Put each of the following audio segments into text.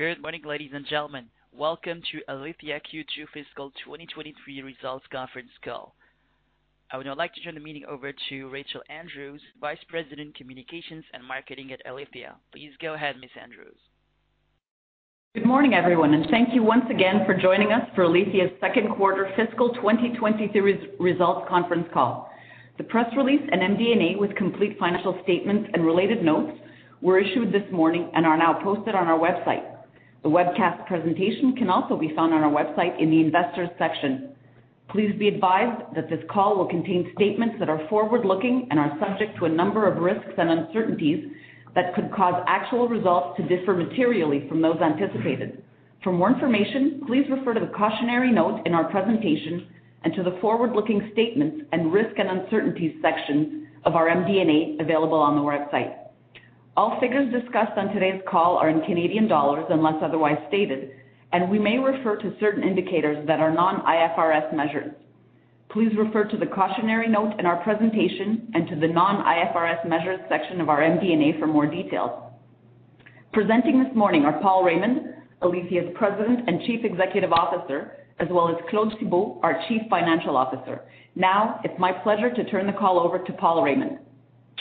Good morning, ladies and gentlemen. Welcome to Alithya Q2 fiscal 2023 results conference call. I would now like to turn the meeting over to Rachel Andrews, Vice President, Communications and Marketing at Alithya. Please go ahead, Ms. Andrews. Good morning, everyone, and thank you once again for joining us for Alithya's second quarter fiscal 2023 results conference call. The press release and MD&A with complete financial statements and related notes were issued this morning and are now posted on our website. The webcast presentation can also be found on our website in the investors section. Please be advised that this call will contain statements that are forward-looking and are subject to a number of risks and uncertainties that could cause actual results to differ materially from those anticipated. For more information, please refer to the cautionary note in our presentation and to the forward-looking statements and risk and uncertainty sections of our MD&A available on the website. All figures discussed on today's call are in Canadian dollars unless otherwise stated, and we may refer to certain indicators that are non-IFRS measures. Please refer to the cautionary note in our presentation and to the non-IFRS measures section of our MD&A for more details. Presenting this morning are Paul Raymond, Alithya's President and Chief Executive Officer, as well as Claude Thibault, our Chief Financial Officer. Now, it's my pleasure to turn the call over to Paul Raymond.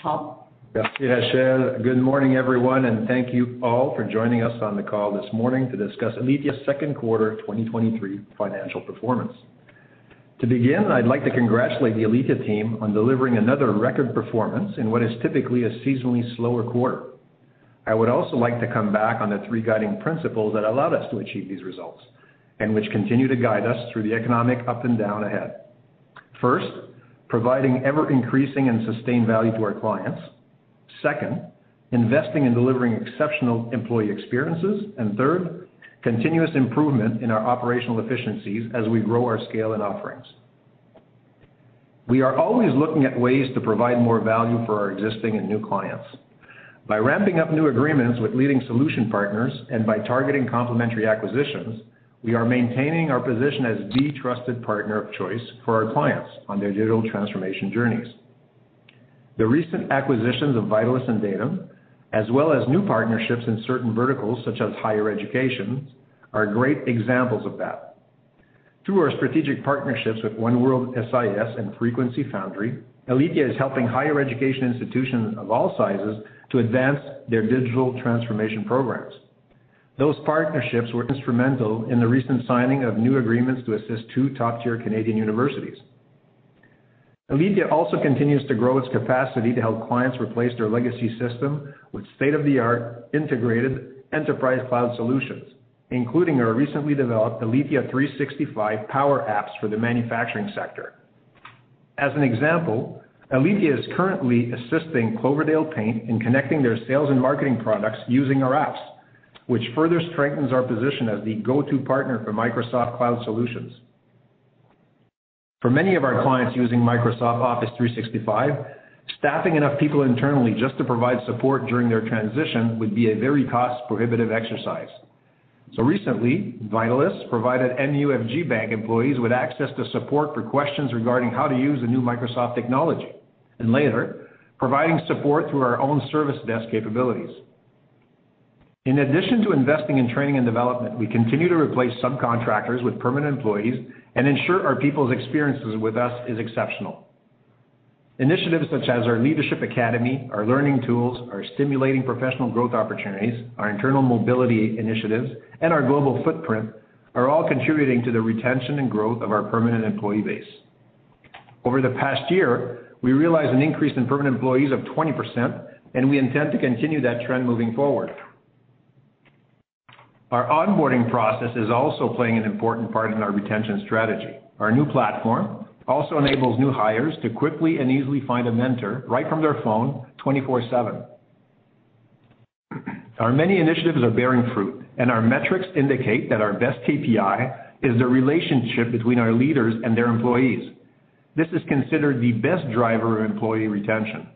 Paul? Yeah. Thank you, Rachel. Good morning, everyone, and thank you all for joining us on the call this morning to discuss Alithya's second quarter 2023 financial performance. To begin, I'd like to congratulate the Alithya team on delivering another record performance in what is typically a seasonally slower quarter. I would also like to come back on the three guiding principles that allowed us to achieve these results and which continue to guide us through the economic up and down ahead. First, providing ever-increasing and sustained value to our clients. Second, investing in delivering exceptional employee experiences. Third, continuous improvement in our operational efficiencies as we grow our scale and offerings. We are always looking at ways to provide more value for our existing and new clients. By ramping up new agreements with leading solution partners and by targeting complementary acquisitions, we are maintaining our position as the trusted partner of choice for our clients on their digital transformation journeys. The recent acquisitions of Vitalyst and Datum, as well as new partnerships in certain verticals such as higher education, are great examples of that. Through our strategic partnerships with OneWorldSIS and Frequency Foundry, Alithya is helping higher education institutions of all sizes to advance their digital transformation programs. Those partnerships were instrumental in the recent signing of new agreements to assist two top-tier Canadian universities. Alithya also continues to grow its capacity to help clients replace their legacy system with state-of-the-art integrated enterprise cloud solutions, including our recently developed Alithya 365 Power Apps for the manufacturing sector. As an example, Alithya is currently assisting Cloverdale Paint in connecting their sales and marketing products using our apps, which further strengthens our position as the go-to partner for Microsoft Cloud solutions. For many of our clients using Microsoft Office 365, staffing enough people internally just to provide support during their transition would be a very cost-prohibitive exercise. Recently, Vitalyst provided MUFG Bank employees with access to support for questions regarding how to use the new Microsoft technology, and later, providing support through our own service desk capabilities. In addition to investing in training and development, we continue to replace subcontractors with permanent employees and ensure our people's experiences with us is exceptional. Initiatives such as our leadership academy, our learning tools, our stimulating professional growth opportunities, our internal mobility initiatives, and our global footprint are all contributing to the retention and growth of our permanent employee base. Over the past year, we realized an increase in permanent employees of 20%, and we intend to continue that trend moving forward. Our onboarding process is also playing an important part in our retention strategy. Our new platform also enables new hires to quickly and easily find a mentor right from their phone 24/7. Our many initiatives are bearing fruit, and our metrics indicate that our best KPI is the relationship between our leaders and their employees. This is considered the best driver of employee retention.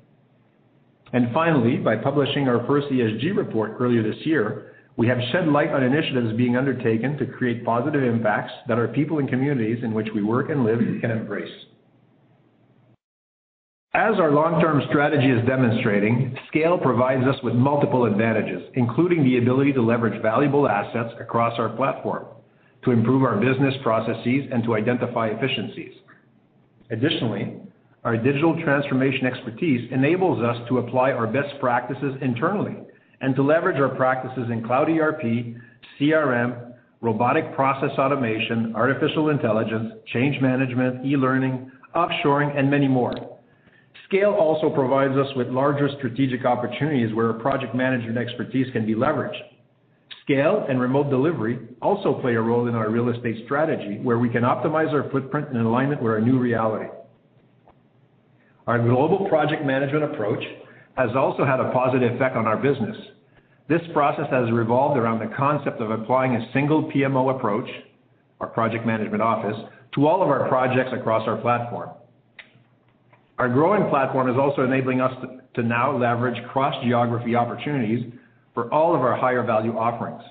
Finally, by publishing our first ESG report earlier this year, we have shed light on initiatives being undertaken to create positive impacts that our people in communities in which we work and live can embrace. As our long-term strategy is demonstrating, scale provides us with multiple advantages, including the ability to leverage valuable assets across our platform to improve our business processes and to identify efficiencies. Additionally, our digital transformation expertise enables us to apply our best practices internally and to leverage our practices in cloud ERP, CRM, robotic process automation, artificial intelligence, change management, e-learning, offshoring, and many more. Scale also provides us with larger strategic opportunities where a project management expertise can be leveraged. Scale and remote delivery also play a role in our real estate strategy, where we can optimize our footprint in alignment with our new reality. Our global project management approach has also had a positive effect on our business. This process has revolved around the concept of applying a single PMO approach, our project management office, to all of our projects across our platform. Our growing platform is also enabling us to now leverage cross-geography opportunities for all of our higher-value offerings.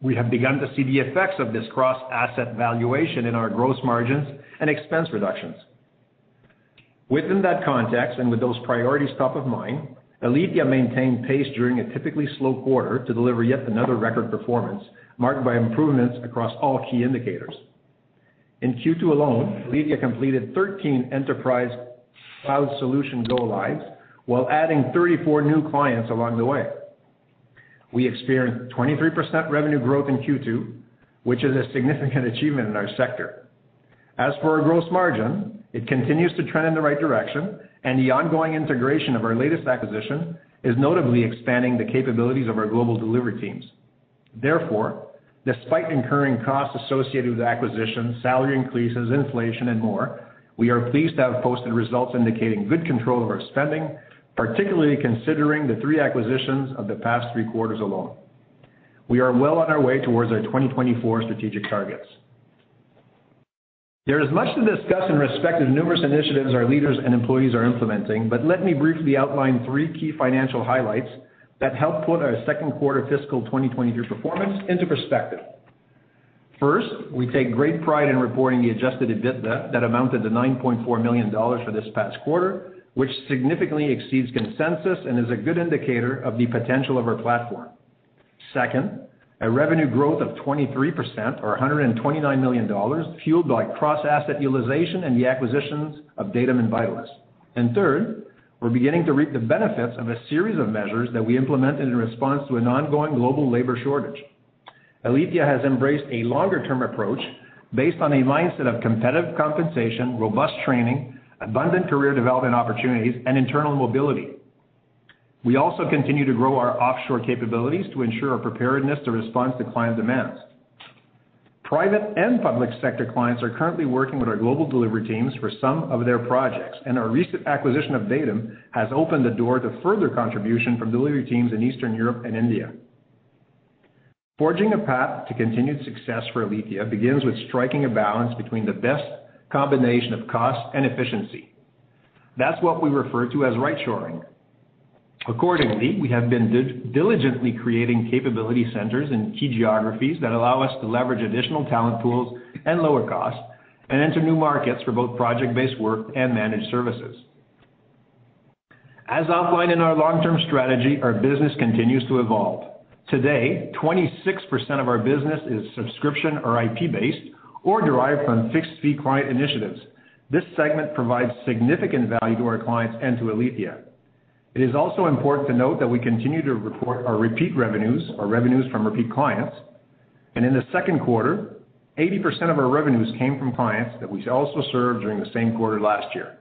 We have begun to see the effects of this cross-asset valuation in our gross margins and expense reductions. Within that context and with those priorities top of mind, Alithya maintained pace during a typically slow quarter to deliver yet another record performance marked by improvements across all key indicators. In Q2 alone, Alithya completed 13 enterprise cloud solution go lives while adding 34 new clients along the way. We experienced 23% revenue growth in Q2, which is a significant achievement in our sector. As for our gross margin, it continues to trend in the right direction, and the ongoing integration of our latest acquisition is notably expanding the capabilities of our global delivery teams. Therefore, despite incurring costs associated with acquisitions, salary increases, inflation, and more, we are pleased to have posted results indicating good control of our spending, particularly considering the three acquisitions of the past three quarters alone. We are well on our way towards our 2024 strategic targets. There is much to discuss in respect to the numerous initiatives our leaders and employees are implementing, but let me briefly outline three key financial highlights that help put our second quarter fiscal 2023 performance into perspective. First, we take great pride in reporting the adjusted EBITDA that amounted to 9.4 million dollars for this past quarter, which significantly exceeds consensus and is a good indicator of the potential of our platform. Second, a revenue growth of 23% or 129 million dollars, fueled by cross-asset utilization and the acquisitions of Datum and Vitalyst. Third, we're beginning to reap the benefits of a series of measures that we implemented in response to an ongoing global labor shortage. Alithya has embraced a longer-term approach based on a mindset of competitive compensation, robust training, abundant career development opportunities, and internal mobility. We also continue to grow our offshore capabilities to ensure our preparedness to respond to client demands. Private and public sector clients are currently working with our global delivery teams for some of their projects, and our recent acquisition of Datum has opened the door to further contribution from delivery teams in Eastern Europe and India. Forging a path to continued success for Alithya begins with striking a balance between the best combination of cost and efficiency. That's what we refer to as rightshoring. Accordingly, we have been diligently creating capability centers in key geographies that allow us to leverage additional talent pools and lower costs and enter new markets for both project-based work and managed services. As outlined in our long-term strategy, our business continues to evolve. Today, 26% of our business is subscription or IP-based or derived from fixed-fee client initiatives. This segment provides significant value to our clients and to Alithya. It is also important to note that we continue to report our repeat revenues, our revenues from repeat clients. In the second quarter, 80% of our revenues came from clients that we also served during the same quarter last year.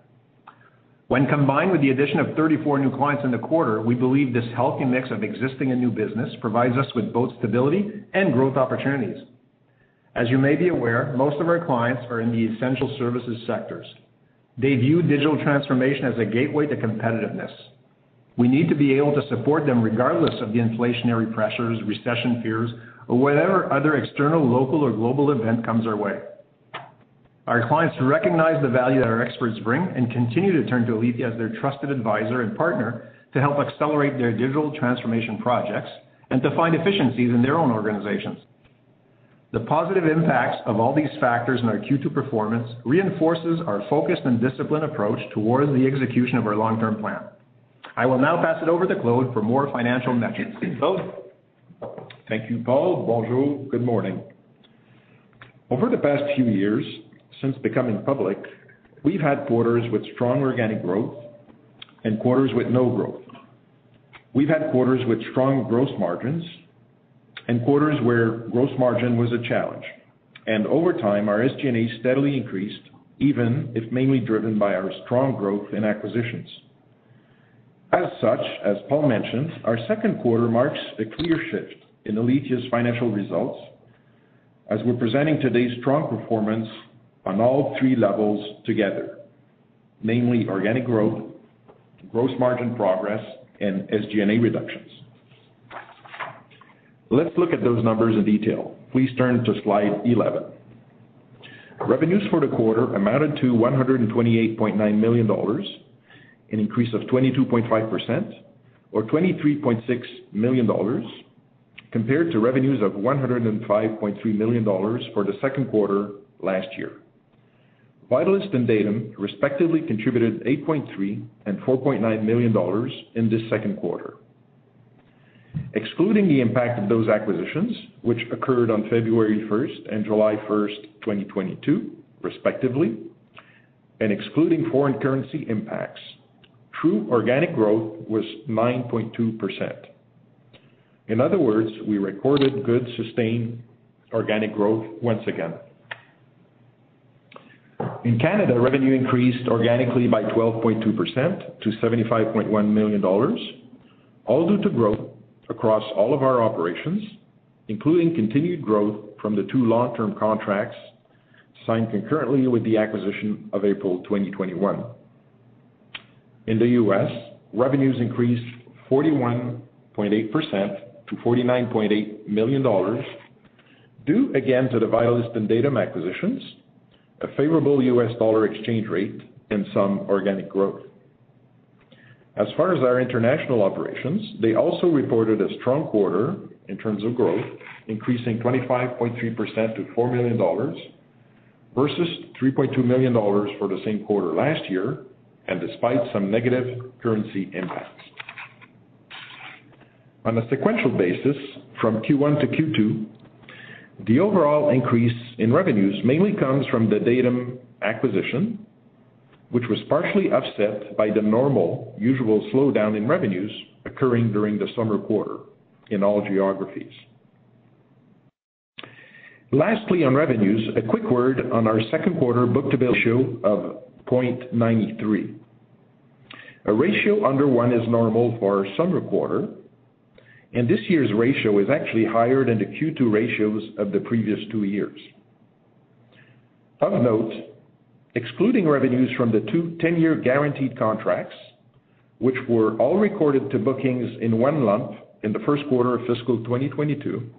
When combined with the addition of 34 new clients in the quarter, we believe this healthy mix of existing and new business provides us with both stability and growth opportunities. As you may be aware, most of our clients are in the essential services sectors. They view digital transformation as a gateway to competitiveness. We need to be able to support them regardless of the inflationary pressures, recession fears, or whatever other external, local or global event comes our way. Our clients recognize the value that our experts bring and continue to turn to Alithya as their trusted advisor and partner to help accelerate their digital transformation projects and to find efficiencies in their own organizations. The positive impacts of all these factors in our Q2 performance reinforces our focused and disciplined approach towards the execution of our long-term plan. I will now pass it over to Claude for more financial metrics. Claude? Thank you, Paul. Bonjour. Good morning. Over the past few years since becoming public, we've had quarters with strong organic growth and quarters with no growth. We've had quarters with strong gross margins and quarters where gross margin was a challenge. Over time, our SG&A steadily increased, even if mainly driven by our strong growth in acquisitions. As such, as Paul mentioned, our second quarter marks a clear shift in Alithya's financial results as we're presenting today strong performance on all three levels together, namely organic growth, gross margin progress, and SG&A reductions. Let's look at those numbers in detail. Please turn to slide 11. Revenues for the quarter amounted to 128.9 million dollars, an increase of 22.5% or 23.6 million dollars compared to revenues of 105.3 million dollars for the second quarter last year. Vitalyst and Datum respectively contributed 8.3 million and 4.9 million dollars in this second quarter. Excluding the impact of those acquisitions, which occurred on February 1st and July 1st, 2022, respectively, and excluding foreign currency impacts, true organic growth was 9.2%. In other words, we recorded good sustained organic growth once again. In Canada, revenue increased organically by 12.2% to 75.1 million dollars, all due to growth across all of our operations, including continued growth from the two long-term contracts signed concurrently with the acquisition in April 2021. In the U.S., revenues increased 41.8% to 49.8 million dollars, due again to the Vitalyst and Datum acquisitions, a favorable U.S. dollar exchange rate, and some organic growth. As far as our international operations, they also reported a strong quarter in terms of growth, increasing 25.3% to 4 million dollars, versus 3.2 million dollars for the same quarter last year, and despite some negative currency impacts. On a sequential basis, from Q1 to Q2, the overall increase in revenues mainly comes from the Datum acquisition, which was partially offset by the normal usual slowdown in revenues occurring during the summer quarter in all geographies. Lastly, on revenues, a quick word on our second quarter book-to-bill ratio of 0.93. A ratio under one is normal for a summer quarter, and this year's ratio is actually higher than the Q2 ratios of the previous two years. Of note, excluding revenues from the two 10-year guaranteed contracts, which were all recorded to bookings in one month in the first quarter of fiscal 2022,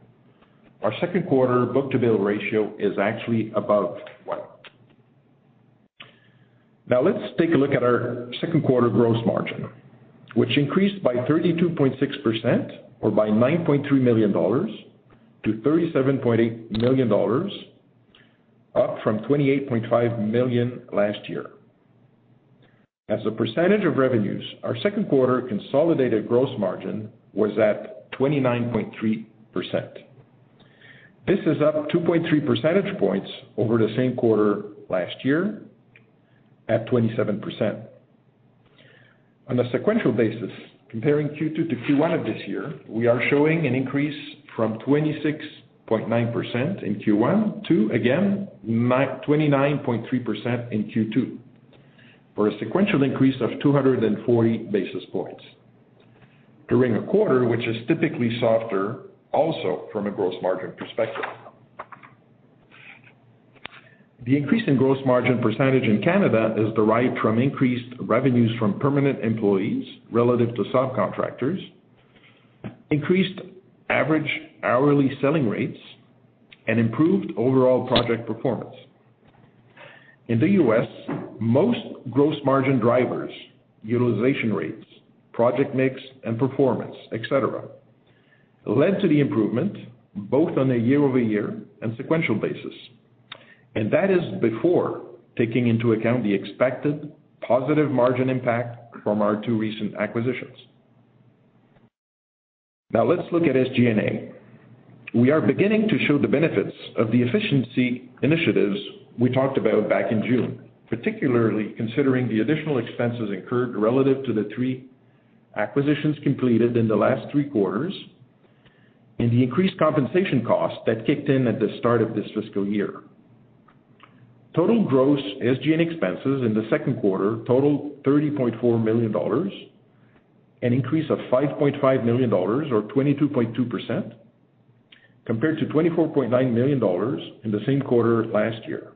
our second quarter book-to-bill ratio is actually above one. Now let's take a look at our second quarter gross margin, which increased by 32.6% or by 9.3 million dollars to 37.8 million dollars, up from 28.5 million last year. As a percentage of revenues, our second quarter consolidated gross margin was at 29.3%. This is up 2.3 percentage points over the same quarter last year at 27%. On a sequential basis, comparing Q2 to Q1 of this year, we are showing an increase from 26.9% in Q1 to, again, 29.3% in Q2 for a sequential increase of 240 basis points during a quarter, which is typically softer also from a gross margin perspective. The increase in gross margin percentage in Canada is derived from increased revenues from permanent employees relative to subcontractors, increased average hourly selling rates, and improved overall project performance. In the U.S., most gross margin drivers, utilization rates, project mix, and performance, et cetera, led to the improvement both on a year-over-year and sequential basis. That is before taking into account the expected positive margin impact from our two recent acquisitions. Now let's look at SG&A. We are beginning to show the benefits of the efficiency initiatives we talked about back in June, particularly considering the additional expenses incurred relative to the three acquisitions completed in the last three quarters and the increased compensation costs that kicked in at the start of this fiscal year. Total gross SG&A expenses in the second quarter totaled 30.4 million dollars, an increase of 5.5 million dollars or 22.2%, compared to 24.9 million dollars in the same quarter last year.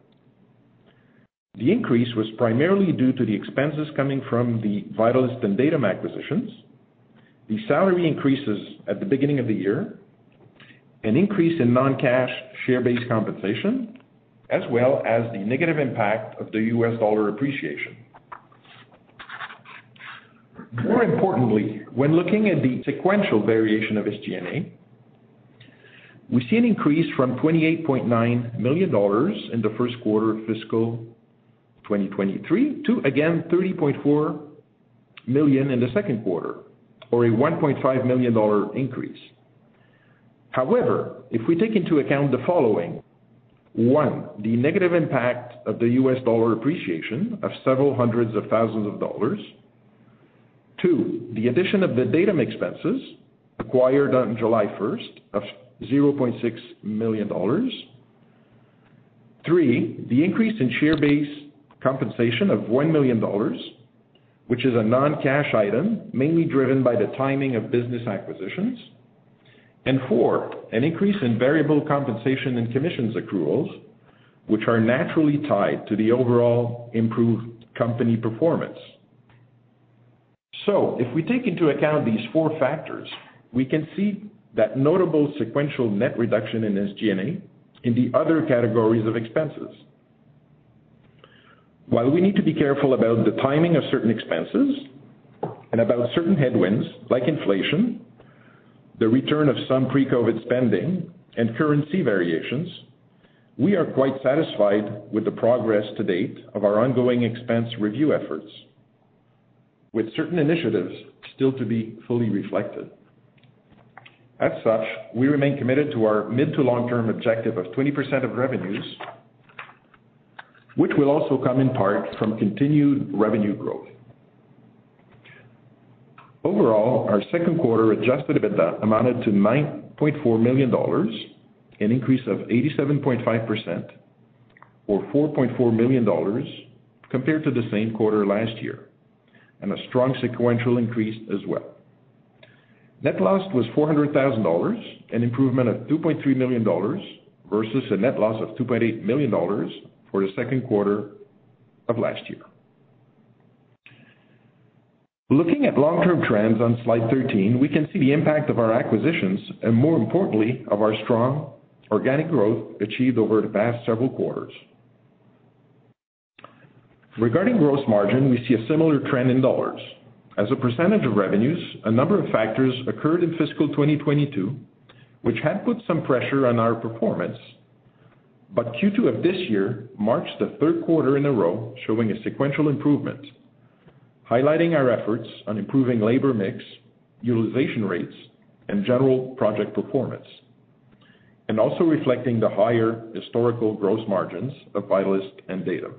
The increase was primarily due to the expenses coming from the Vitalyst and Datum acquisitions, the salary increases at the beginning of the year, an increase in non-cash share-based compensation, as well as the negative impact of the U.S. dollar appreciation. More importantly, when looking at the sequential variation of SG&A, we see an increase from 28.9 million dollars in the first quarter of fiscal 2023 to, again, 30.4 million in the second quarter, or a 1.5 million dollar increase. However, if we take into account the following. One, the negative impact of the U.S. dollar appreciation of several 100,000 dollars. Two, the addition of the Datum expenses acquired on July 1st of 0.6 million dollars. Three, the increase in share-based compensation of 1 million dollars, which is a non-cash item mainly driven by the timing of business acquisitions. And four, an increase in variable compensation and commissions accruals, which are naturally tied to the overall improved company performance. If we take into account these four factors, we can see a notable sequential net reduction in SG&A in the other categories of expenses. While we need to be careful about the timing of certain expenses and about certain headwinds like inflation, the return of some pre-COVID spending, and currency variations, we are quite satisfied with the progress to date of our ongoing expense review efforts, with certain initiatives still to be fully reflected. As such, we remain committed to our mid- to long-term objective of 20% of revenues, which will also come in part from continued revenue growth. Overall, our second quarter adjusted EBITDA amounted to 9.4 million dollars, an increase of 87.5% or 4.4 million dollars compared to the same quarter last year, and a strong sequential increase as well. Net loss was 400,000 dollars, an improvement of 2.3 million dollars versus a net loss of 2.8 million dollars for the second quarter of last year. Looking at long-term trends on slide 13, we can see the impact of our acquisitions and, more importantly, of our strong organic growth achieved over the past several quarters. Regarding gross margin, we see a similar trend in dollars. As a percentage of revenues, a number of factors occurred in fiscal 2022, which had put some pressure on our performance. Q2 of this year marks the third quarter in a row showing a sequential improvement, highlighting our efforts on improving labor mix, utilization rates, and general project performance, and also reflecting the higher historical gross margins of Vitalyst and Datum.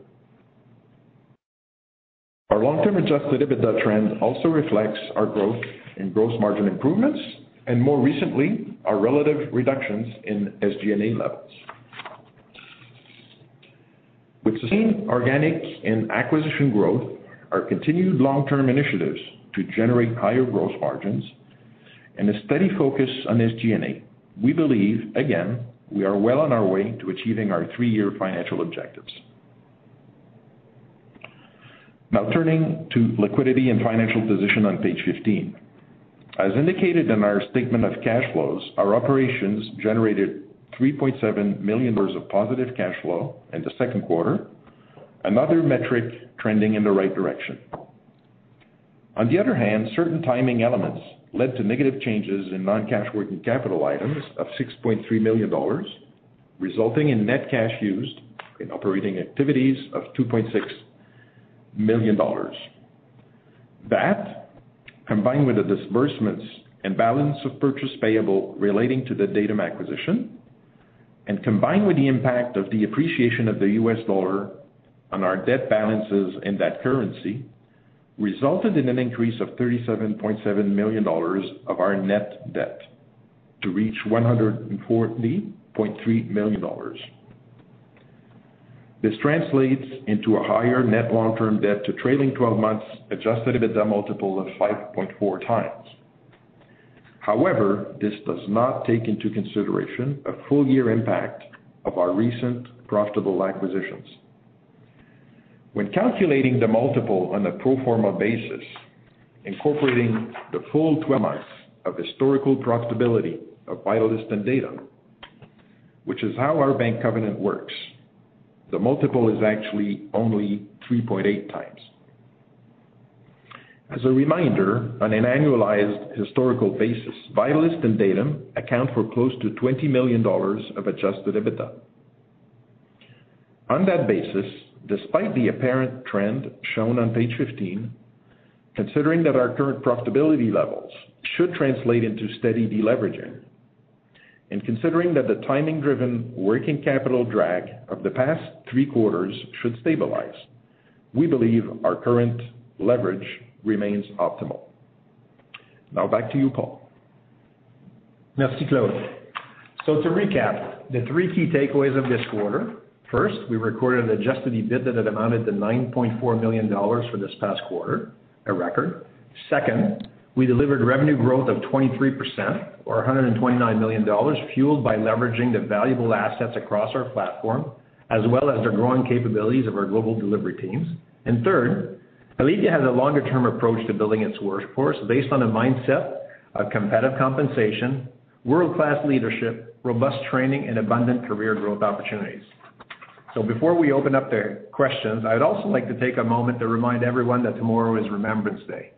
Our long-term adjusted EBITDA trend also reflects our growth in gross margin improvements and more recently, our relative reductions in SG&A levels. With sustained organic and acquisition growth, our continued long-term initiatives to generate higher gross margins and a steady focus on SG&A, we believe again, we are well on our way to achieving our three-year financial objectives. Now turning to liquidity and financial position on page 15. As indicated in our statement of cash flows, our operations generated 3.7 million dollars of positive cash flow in the second quarter, another metric trending in the right direction. On the other hand, certain timing elements led to negative changes in non-cash working capital items of 6.3 million dollars, resulting in net cash used in operating activities of 2.6 million dollars. That, combined with the disbursements and balance of purchase payable relating to the Datum acquisition and combined with the impact of the appreciation of the U.S. dollar on our debt balances in that currency, resulted in an increase of 37.7 million dollars of our net debt to reach 140.3 million dollars. This translates into a higher net long-term debt to trailing 12 months adjusted EBITDA multiple of 5.4x. However, this does not take into consideration a full year impact of our recent profitable acquisitions. When calculating the multiple on a pro forma basis, incorporating the full 12 months of historical profitability of Vitalyst and Datum, which is how our bank covenant works, the multiple is actually only 3.8x. As a reminder, on an annualized historical basis, Vitalyst and Datum account for close to 20 million dollars of adjusted EBITDA. On that basis, despite the apparent trend shown on page 15, considering that our current profitability levels should translate into steady deleveraging and considering that the timing-driven working capital drag of the past three quarters should stabilize, we believe our current leverage remains optimal. Now back to you, Paul. Merci, Claude. To recap, the three key takeaways of this quarter. First, we recorded adjusted EBITDA that amounted to 9.4 million dollars for this past quarter, a record. Second, we delivered revenue growth of 23% or 129 million dollars, fueled by leveraging the valuable assets across our platform as well as the growing capabilities of our global delivery teams. Third, Alithya has a longer-term approach to building its workforce based on a mindset of competitive compensation, world-class leadership, robust training, and abundant career growth opportunities. Before we open up the questions, I'd also like to take a moment to remind everyone that tomorrow is Remembrance Day.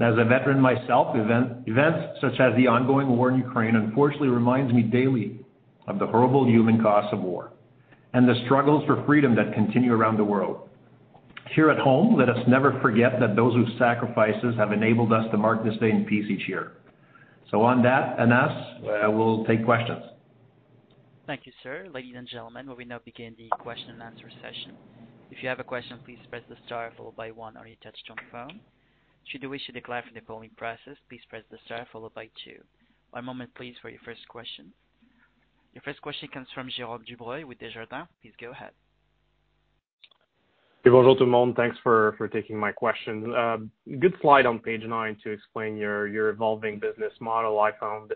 As a veteran myself, events such as the ongoing war in Ukraine unfortunately reminds me daily of the horrible human cost of war and the struggles for freedom that continue around the world. Here at home, let us never forget that those whose sacrifices have enabled us to mark this day in peace each year. On that note, we'll take questions. Thank you, sir. Ladies and gentlemen, we will now begin the question and answer session. If you have a question, please press the star followed by one on your touchtone phone. Should you wish to declare for the polling process, please press the star followed by two. One moment please for your first question. Your first question comes from Jérôme Dubreuil with Desjardins. Please go ahead. Thanks for taking my question. Good slide on page nine to explain your evolving business model, I found.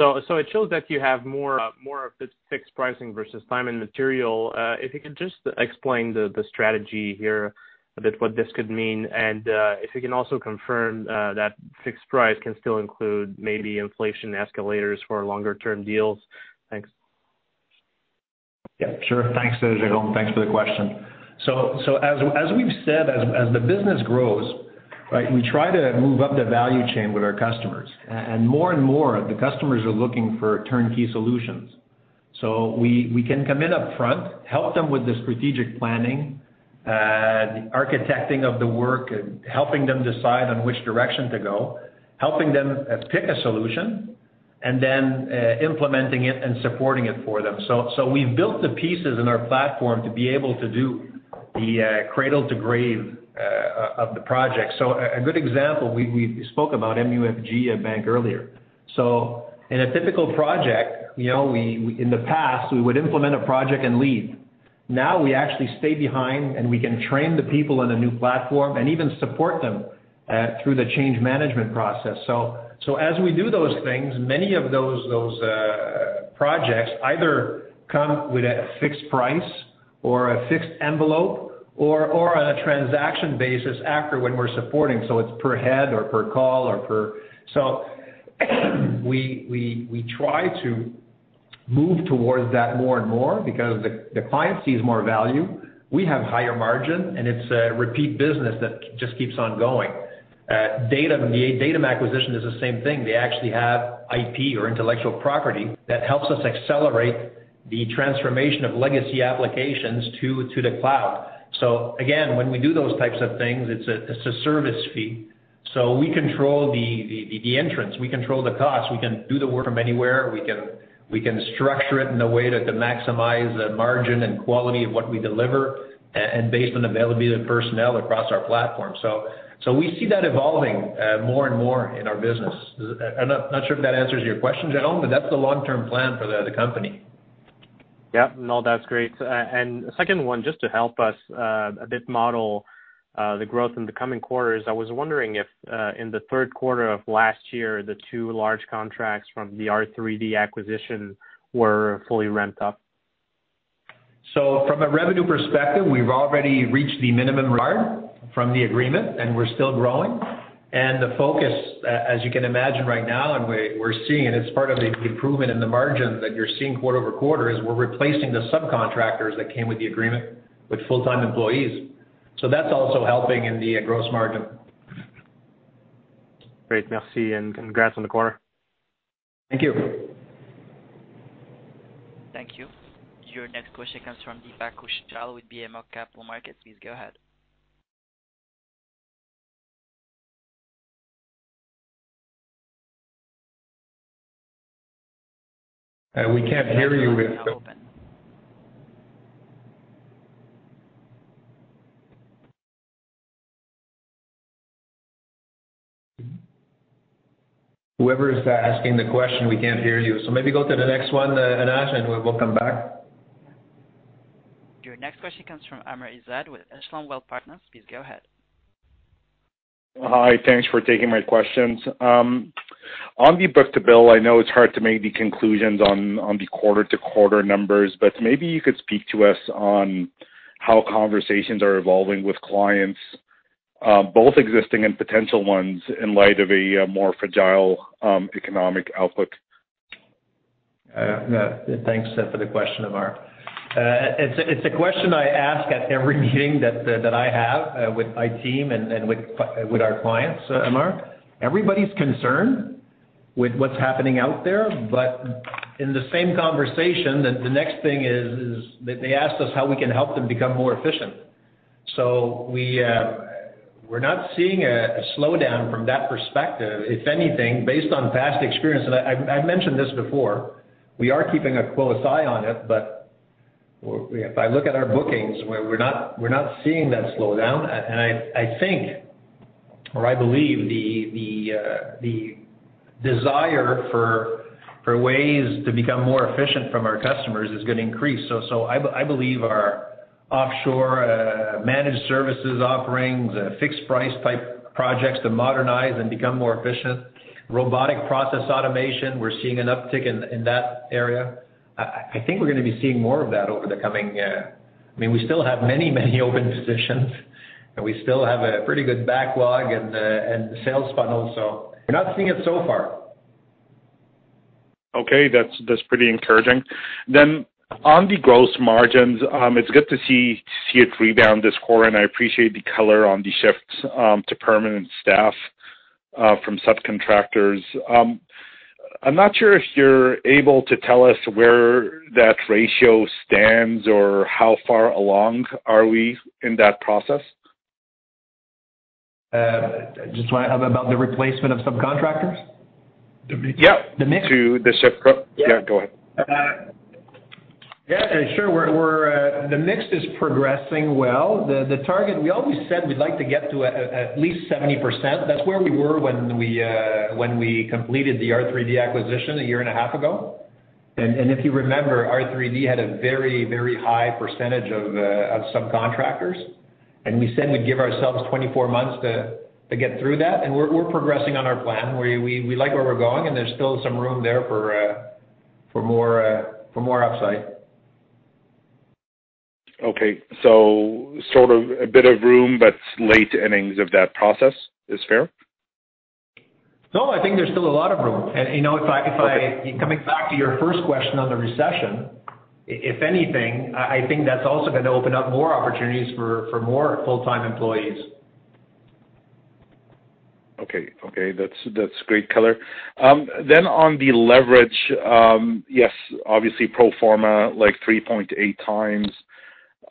It shows that you have more of this fixed pricing versus time and material. If you could just explain the strategy here a bit, what this could mean, and if you can also confirm that fixed price can still include maybe inflation escalators for longer term deals? Thanks. Yeah, sure. Thanks, Jérôme. Thanks for the question. As we've said, as the business grows, right? We try to move up the value chain with our customers. And more and more, the customers are looking for turnkey solutions. We can come in up front, help them with the strategic planning, the architecting of the work, and helping them decide on which direction to go, helping them pick a solution, and then implementing it and supporting it for them. We've built the pieces in our platform to be able to do the cradle to grave of the project. A good example, we spoke about MUFG Bank earlier. In a typical project, you know, in the past, we would implement a project and leave. Now we actually stay behind, and we can train the people on a new platform and even support them through the change management process. As we do those things, many of those projects either come with a fixed price or a fixed envelope or on a transaction basis after when we're supporting. It's per head or per call. We try to move towards that more and more because the client sees more value. We have higher margin, and it's a repeat business that just keeps on going. The Datum acquisition is the same thing. They actually have IP or intellectual property that helps us accelerate the transformation of legacy applications to the cloud. Again, when we do those types of things, it's a service fee. We control the entrance. We control the costs. We can do the work from anywhere. We can structure it in a way to maximize the margin and quality of what we deliver and based on available personnel across our platform. We see that evolving more and more in our business. I'm not sure if that answers your question, Jérôme, but that's the long-term plan for the company. Yeah. No, that's great. Second one, just to help us a bit model the growth in the coming quarters. I was wondering if, in the third quarter of last year, the two large contracts from the R3D acquisition were fully ramped up. From a revenue perspective, we've already reached the minimum bar from the agreement, and we're still growing. The focus, as you can imagine right now, and we're seeing, and it's part of the improvement in the margin that you're seeing quarter-over-quarter, is we're replacing the subcontractors that came with the agreement with full-time employees. That's also helping in the gross margin. Great. Merci, and congrats on the quarter. Thank you. Thank you. Your next question comes from Deepak Kaushal with BMO Capital Markets. Please go ahead. We can't hear you. Whoever is asking the question, we can't hear you. Maybe go to the next one, Anas, and we'll come back. Your next question comes from Amr Ezzat with Echelon Wealth Partners. Please go ahead. Hi. Thanks for taking my questions. On the book-to-bill, I know it's hard to make the conclusions on the quarter-to-quarter numbers, but maybe you could speak to us on how conversations are evolving with clients, both existing and potential ones in light of a more fragile economic outlook. Thanks for the question, Amr. It's a question I ask at every meeting that I have with my team and with our clients, Amr. Everybody's concerned with what's happening out there, but in the same conversation, the next thing is they ask us how we can help them become more efficient. We're not seeing a slowdown from that perspective. If anything, based on past experience, and I've mentioned this before, we are keeping a close eye on it. If I look at our bookings, we're not seeing that slowdown. I think or I believe the desire for ways to become more efficient from our customers is going to increase. I believe our offshore managed services offerings, fixed price type projects to modernize and become more efficient. Robotic process automation, we're seeing an uptick in that area. I think we're gonna be seeing more of that over the coming. I mean, we still have many open positions, and we still have a pretty good backlog and sales funnel. We're not seeing it so far. Okay. That's pretty encouraging. On the gross margins, it's good to see it rebound this quarter, and I appreciate the color on the shifts to permanent staff from subcontractors. I'm not sure if you're able to tell us where that ratio stands or how far along are we in that process? Just about the replacement of subcontractors? The mix- The mix? Yeah, go ahead. Yeah, sure. The mix is progressing well. The target we always said we'd like to get to at least 70%. That's where we were when we completed the R3D acquisition a 1.5 year ago. If you remember, R3D had a very high percentage of subcontractors, and we said we'd give ourselves 24 months to get through that. We're progressing on our plan. We like where we're going, and there's still some room there for more upside. Okay. Sort of a bit of room, but late innings of that process is fair? No, I think there's still a lot of room. You know, if I. Okay. Coming back to your first question on the recession, if anything, I think that's also gonna open up more opportunities for more full-time employees. Okay. That's great color. On the leverage, yes, obviously pro forma, like 3.8x.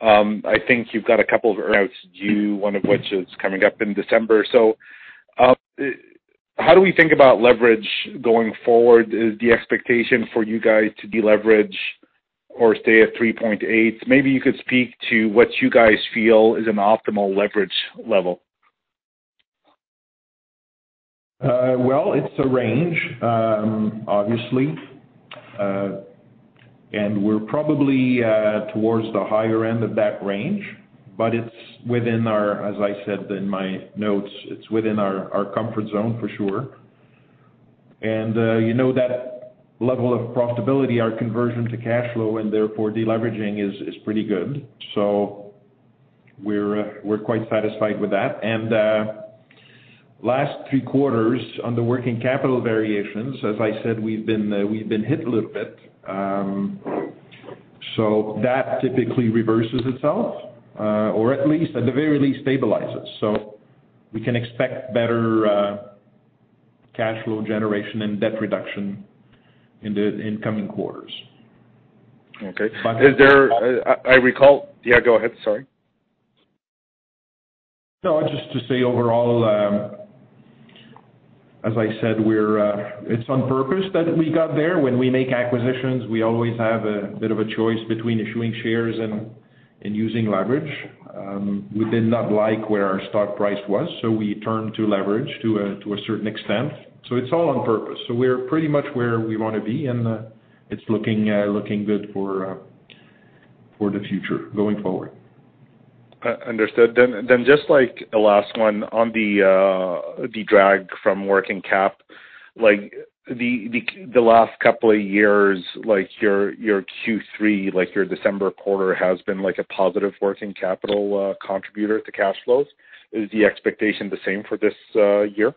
I think you've got a couple of earn-outs due, one of which is coming up in December. How do we think about leverage going forward? Is the expectation for you guys to deleverage or stay at 3.8x? Maybe you could speak to what you guys feel is an optimal leverage level. Well, it's a range, obviously. We're probably towards the higher end of that range, but it's within our, as I said in my notes, comfort zone for sure. You know that level of profitability, our conversion to cash flow and therefore deleveraging is pretty good. We're quite satisfied with that. Last three quarters on the working capital variations, as I said, we've been hit a little bit. That typically reverses itself, or at least, at the very least stabilizes. We can expect better cash flow generation and debt reduction in coming quarters. Okay. Yeah, go ahead. Sorry. No, just to say overall, as I said, we're, it's on purpose that we got there. When we make acquisitions, we always have a bit of a choice between issuing shares and using leverage. We did not like where our stock price was, so we turned to leverage to a certain extent. It's all on purpose. We're pretty much where we wanna be, and it's looking good for the future going forward. Understood. Just, like, a last one on the drag from working cap. Like, the last couple of years, like, your Q3, like, your December quarter has been, like, a positive working capital contributor to cash flows. Is the expectation the same for this year?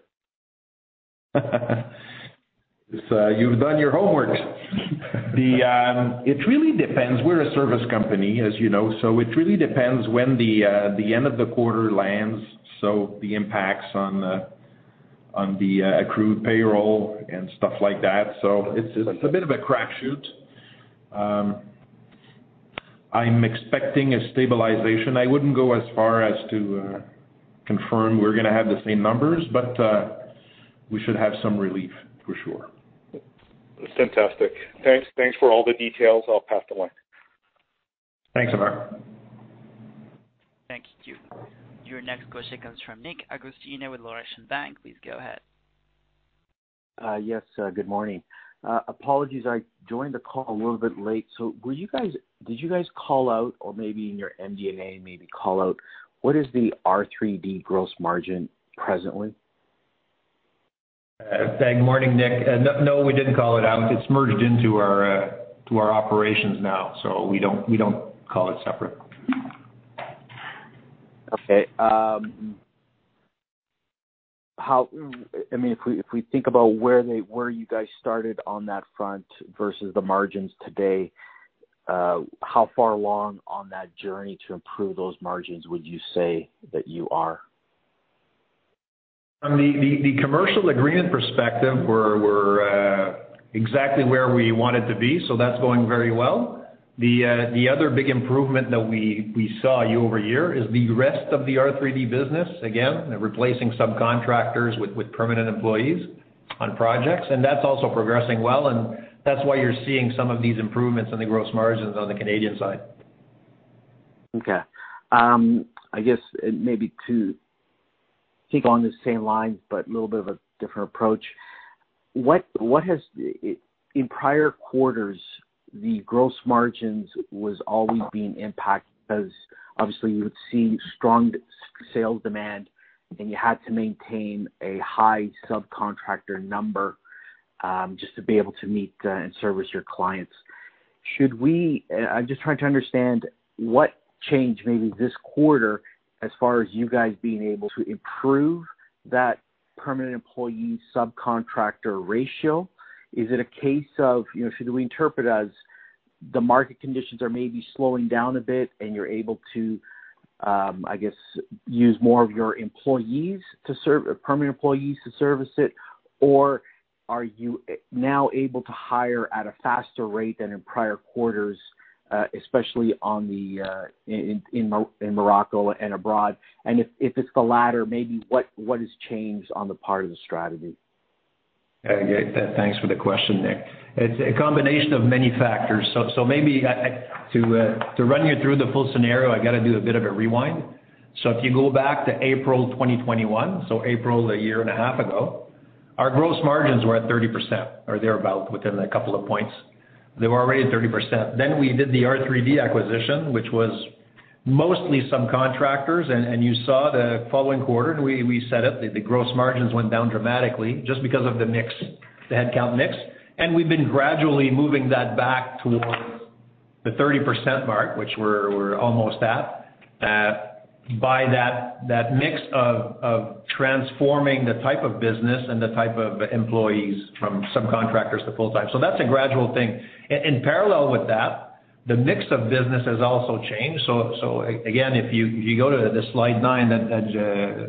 You've done your homework. It really depends. We're a service company, as you know, so it really depends when the end of the quarter lands, so the impacts on the accrued payroll and stuff like that. It's a bit of a crapshoot. I'm expecting a stabilization. I wouldn't go as far as to confirm we're gonna have the same numbers, but we should have some relief for sure. Fantastic. Thanks for all the details. I'll pass the line. Thanks, Amr. Thank you. Your next question comes from Nick Agostino with Laurentian Bank. Please go ahead. Yes. Good morning. Apologies I joined the call a little bit late. Did you guys call out, or maybe in your MD&A maybe call out, what is the R3D gross margin presently? Good morning, Nick. No, we didn't call it out. It's merged into our operations now, so we don't call it separate. Okay. I mean, if we think about where you guys started on that front versus the margins today, how far along on that journey to improve those margins would you say that you are? On the commercial agreement perspective, we're exactly where we wanted to be, so that's going very well. The other big improvement that we saw year-over-year is the rest of the R3D business, again, replacing subcontractors with permanent employees on projects, and that's also progressing well, and that's why you're seeing some of these improvements in the gross margins on the Canadian side. Okay. I guess maybe to keep on the same lines but a little bit of a different approach. What has in prior quarters, the gross margins was always being impacted because obviously you would see strong sales demand, and you had to maintain a high subcontractor number, just to be able to meet, and service your clients. I'm just trying to understand what changed maybe this quarter as far as you guys being able to improve that permanent employee subcontractor ratio. Is it a case of, you know, should we interpret it as the market conditions are maybe slowing down a bit and you're able to, I guess, use more of your employees permanent employees to service it? Are you now able to hire at a faster rate than in prior quarters, especially in Morocco and abroad? If it's the latter, maybe what has changed on the part of the strategy? Yeah, yeah. Thanks for the question, Nick. It's a combination of many factors. Maybe I to run you through the full scenario, I gotta do a bit of a rewind. If you go back to April 2021, April a year and a half ago, our gross margins were at 30% or thereabout, within a couple of points. They were already at 30%. Then we did the R3D acquisition, which was mostly subcontractors. You saw the following quarter, and we said it, the gross margins went down dramatically just because of the mix, the headcount mix. We've been gradually moving that back towards the 30% mark, which we're almost at by that mix of transforming the type of business and the type of employees from subcontractors to full-time. That's a gradual thing. Parallel with that, the mix of business has also changed. If you go to the slide nine that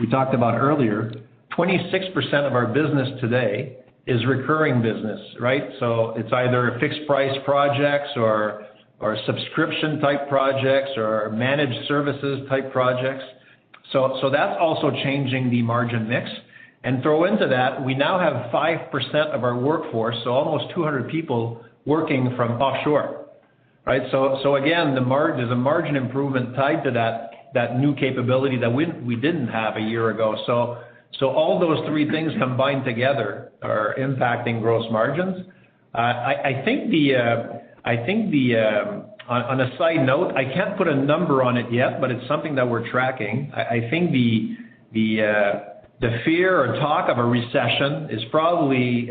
we talked about earlier, 26% of our business today is recurring business, right? It's either fixed price projects or subscription type projects or managed services type projects. That's also changing the margin mix. Throw into that, we now have 5% of our workforce, so almost 200 people, working from offshore, right? There's a margin improvement tied to that new capability that we didn't have a year ago. All those three things combined together are impacting gross margins. On a side note, I can't put a number on it yet, but it's something that we're tracking. I think. The fear or talk of a recession is probably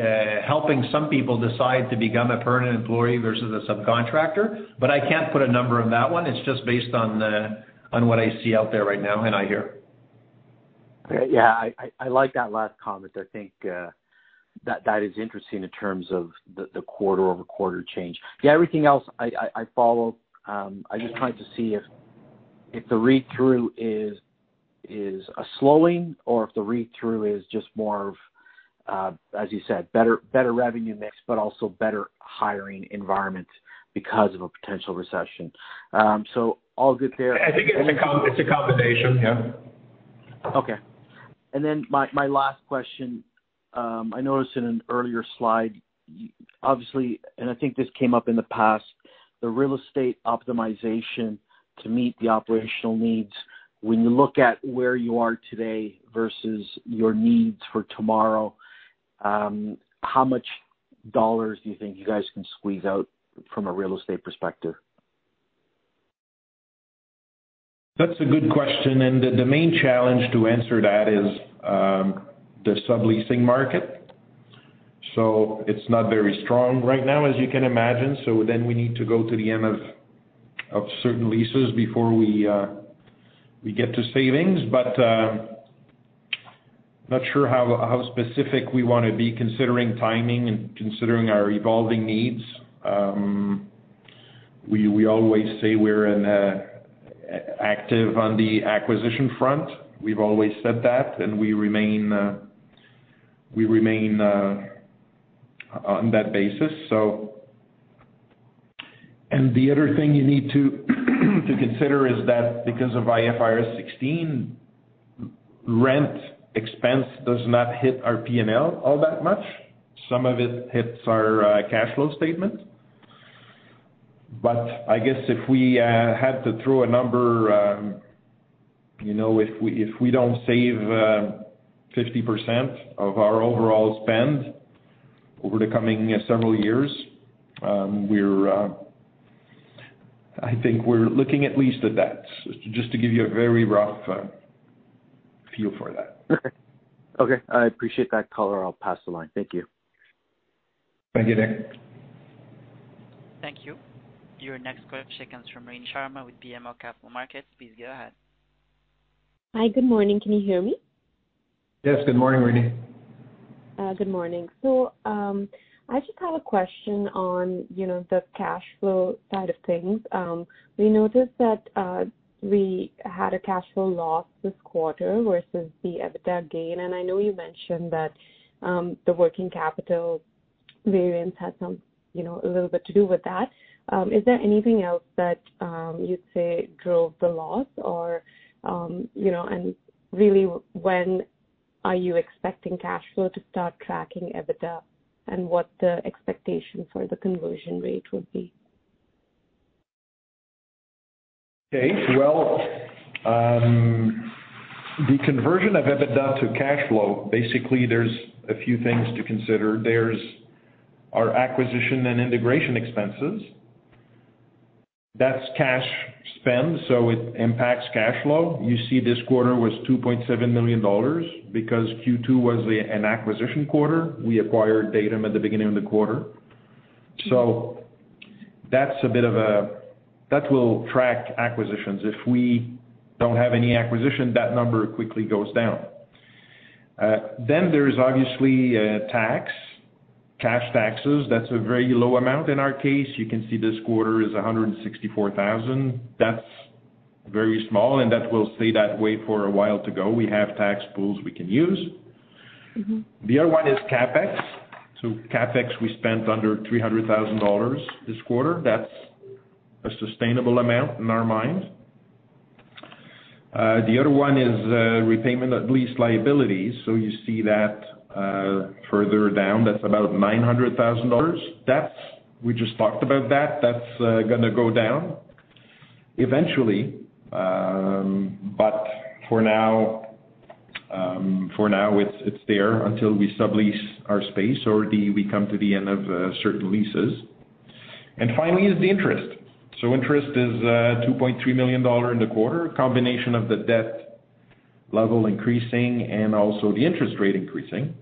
helping some people decide to become a permanent employee versus a subcontractor, but I can't put a number on that one. It's just based on what I see out there right now, and I hear. Yeah. I like that last comment. I think that is interesting in terms of the quarter-over-quarter change. Yeah, everything else I follow. I'm just trying to see if the read-through is a slowing or if the read-through is just more of, as you said, better revenue mix, but also better hiring environment because of a potential recession. All good there. I think it's a combination. Yeah. Okay. My last question. I noticed in an earlier slide, obviously, and I think this came up in the past, the real estate optimization to meet the operational needs. When you look at where you are today versus your needs for tomorrow, how much dollars do you think you guys can squeeze out from a real estate perspective? That's a good question. The main challenge to answer that is the subleasing market. It's not very strong right now, as you can imagine. We need to go to the end of certain leases before we get to savings. Not sure how specific we wanna be considering timing and considering our evolving needs. We always say we're active on the acquisition front. We've always said that, and we remain on that basis. The other thing you need to consider is that because of IFRS 16, rent expense does not hit our P&L all that much. Some of it hits our cash flow statement. I guess if we had to throw a number, you know, if we don't save 50% of our overall spend over the coming several years, we're, I think we're looking at least at that, just to give you a very rough feel for that. Okay. Okay, I appreciate that, Claude Thibault. I'll pass the line. Thank you. Thank you, Nick. Thank you. Your next question comes from Rini Sharma with BMO Capital Markets. Please go ahead. Hi, good morning. Can you hear me? Yes, good morning, Rini. Good morning. I just have a question on, you know, the cash flow side of things. We noticed that we had a cash flow loss this quarter versus the EBITDA gain, and I know you mentioned that the working capital variance had some, you know, a little bit to do with that. Is there anything else that you'd say drove the loss or, you know, and really, when are you expecting cash flow to start tracking EBITDA, and what the expectation for the conversion rate would be? Okay. Well, the conversion of EBITDA to cash flow, basically, there's a few things to consider. There's our acquisition and integration expenses. That's cash spend, so it impacts cash flow. You see this quarter was 2.7 million dollars because Q2 was an acquisition quarter. We acquired Datum at the beginning of the quarter. So that will track acquisitions. If we don't have any acquisition, that number quickly goes down. There's obviously tax, cash taxes. That's a very low amount in our case. You can see this quarter is 164,000. That's very small, and that will stay that way for a while to go. We have tax pools we can use. Mm-hmm. The other one is CapEx. CapEx, we spent under 300,000 dollars this quarter. That's a sustainable amount in our mind. The other one is repayment of lease liabilities. You see that further down. That's about 900,000 dollars. That's. We just talked about that. That's gonna go down eventually. But for now, it's there until we sublease our space or we come to the end of certain leases. Finally is the interest. Interest is 2.3 million dollar in the quarter, a combination of the debt level increasing and also the interest rate increasing.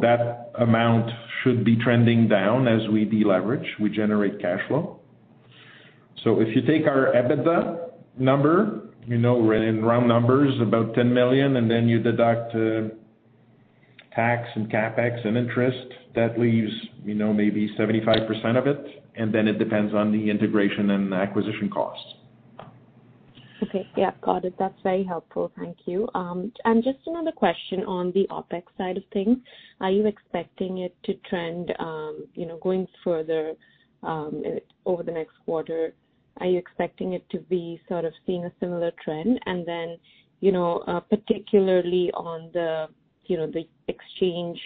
That amount should be trending down as we deleverage, we generate cash flow. If you take our EBITDA number, you know, we're in round numbers, about 10 million, and then you deduct tax and CapEx and interest, that leaves, you know, maybe 75% of it, and then it depends on the integration and the acquisition costs. Okay. Yeah, got it. That's very helpful. Thank you. Just another question on the OpEx side of things. Are you expecting it to trend, you know, going further, over the next quarter? Are you expecting it to be sort of seeing a similar trend? Then, you know, particularly on the, you know, the exchange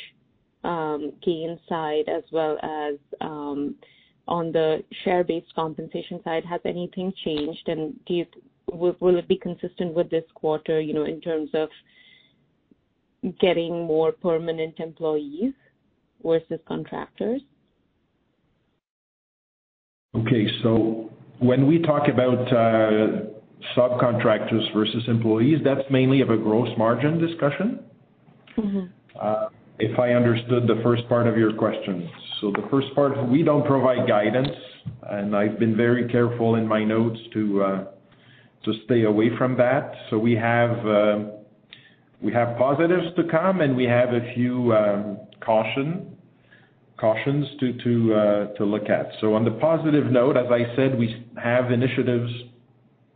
gain side as well as on the share-based compensation side, has anything changed? Will it be consistent with this quarter, you know, in terms of getting more permanent employees versus contractors? Okay. When we talk about subcontractors versus employees, that's mainly of a gross margin discussion. Mm-hmm. If I understood the first part of your question. The first part, we don't provide guidance, and I've been very careful in my notes to stay away from that. We have positives to come, and we have a few cautions to look at. On the positive note, as I said, we have initiatives,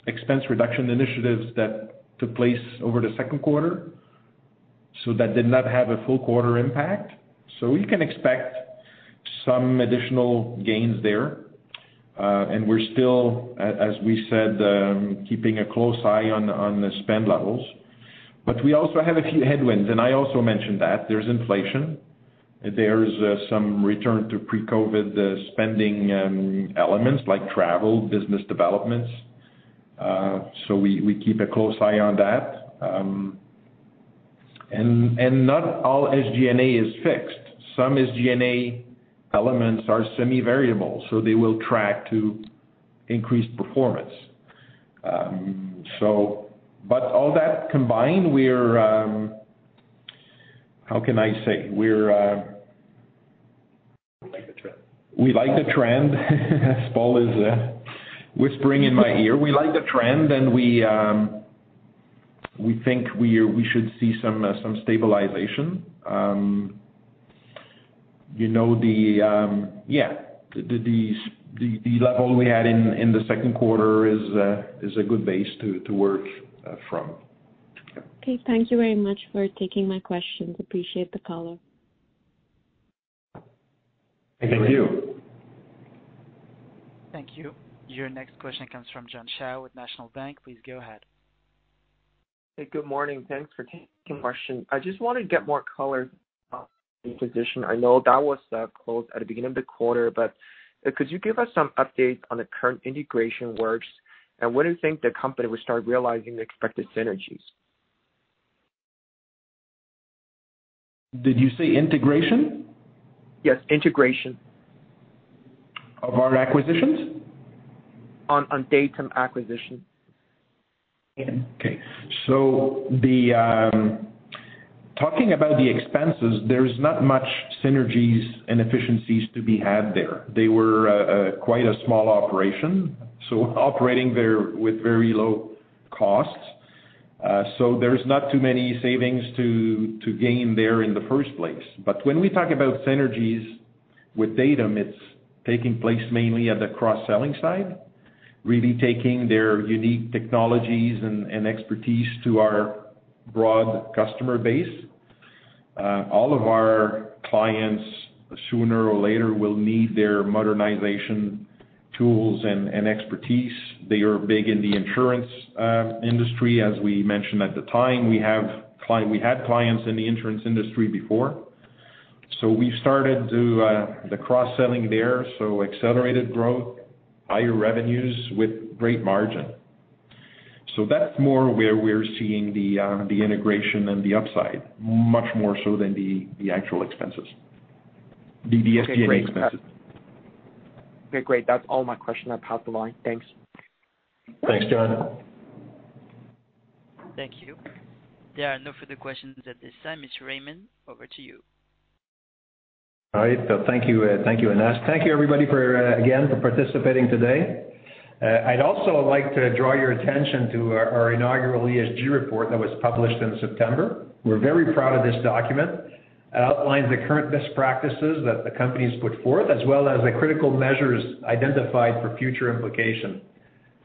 expense reduction initiatives that took place over the second quarter, so that did not have a full quarter impact. We can expect some additional gains there. We're still, as we said, keeping a close eye on the spend levels. We also have a few headwinds, and I also mentioned that. There's inflation. There's some return to pre-COVID spending, elements like travel, business developments. We keep a close eye on that. Not all SG&A is fixed. Some SG&A elements are semi-variable, so they will track to increased performance. All that combined, we're. How can I say? We're- We like the trend. We like the trend. Paul is whispering in my ear. We like the trend, and we think we should see some stabilization. You know, the level we had in the second quarter is a good base to work from. Yeah. Okay, thank you very much for taking my questions. Appreciate the call. Thank you. Thank you. Thank you. Your next question comes from John Shao with National Bank. Please go ahead. Hey, good morning. Thanks for taking the question. I just wanted to get more color on the acquisition. I know that was closed at the beginning of the quarter, but could you give us some updates on the current integration works? When do you think the company will start realizing the expected synergies? Did you say integration? Yes, integration. Of our acquisitions? On Datum acquisition. Okay. Talking about the expenses, there's not much synergies and efficiencies to be had there. They were quite a small operation, operating very with very low costs. There's not too many savings to gain there in the first place. When we talk about synergies with Datum, it's taking place mainly at the cross-selling side, really taking their unique technologies and expertise to our broad customer base. All of our clients, sooner or later, will need their modernization tools and expertise. They are big in the insurance industry. As we mentioned at the time, we had clients in the insurance industry before. We started to the cross-selling there, accelerated growth, higher revenues with great margin. That's more where we're seeing the integration and the upside, much more so than the actual expenses. The SG&A expenses. Okay, great. That's all my questions. I'll pass the line. Thanks. Thanks, John. Thank you. There are no further questions at this time. Mr. Raymond, over to you. All right. Thank you. Thank you, Anas. Thank you everybody for again for participating today. I'd also like to draw your attention to our inaugural ESG report that was published in September. We're very proud of this document. It outlines the current best practices that the company's put forth, as well as the critical measures identified for future implementation.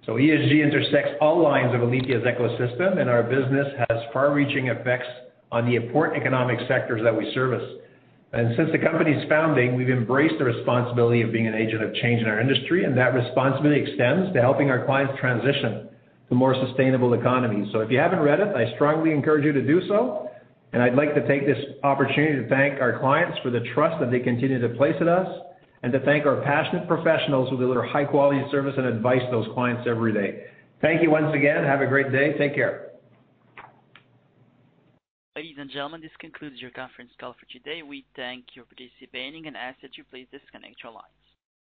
ESG intersects all lines of Alithya's ecosystem, and our business has far-reaching effects on the important economic sectors that we service. Since the company's founding, we've embraced the responsibility of being an agent of change in our industry, and that responsibility extends to helping our clients transition to more sustainable economies. If you haven't read it, I strongly encourage you to do so. I'd like to take this opportunity to thank our clients for the trust that they continue to place in us and to thank our passionate professionals who deliver high-quality service and advice to those clients every day. Thank you once again. Have a great day. Take care. Ladies and gentlemen, this concludes your conference call for today. We thank you for participating and ask that you please disconnect your lines.